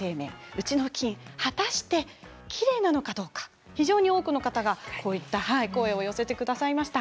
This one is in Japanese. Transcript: うちのふきん果たしてきれいなのかどうか非常に多くの方がこういった声を寄せてくださいました。